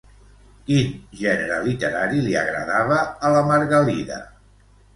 Quin gènere literari li agradava a la Margalida?